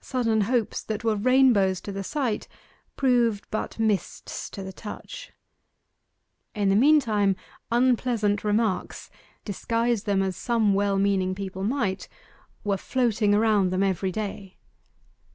Sudden hopes that were rainbows to the sight proved but mists to the touch. In the meantime, unpleasant remarks, disguise them as some well meaning people might, were floating around them every day.